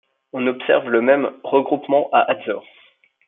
On observe le même regroupement à Hatzor.